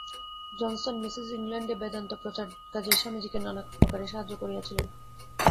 Johnson, Mrs ইংলণ্ডে বেদান্ত-প্রচারকার্যে স্বামীজীকে নানাপ্রকারে সাহায্য করিয়াছিলেন।